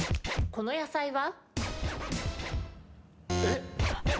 この野菜は？